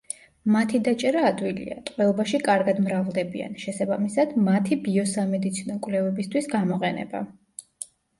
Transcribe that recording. მათი დაჭერა ადვილია, ტყვეობაში კარგად მრავლდებიან, შესაბამისად, მათი ბიოსამედიცინო კვლევებისთვის გამოყენება.